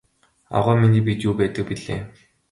Авгай миний биед юу байдаг билээ?